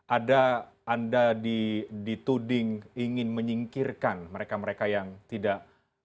ada anda dituding ingin menyingkirkan mereka mereka yang tidak